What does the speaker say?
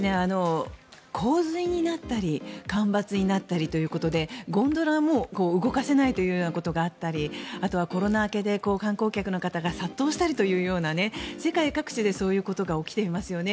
洪水になったり干ばつになったりということでゴンドラも動かせないということがあったりあとはコロナ明けで観光客の方が殺到したりというような世界各地でそういうことが起きていますよね。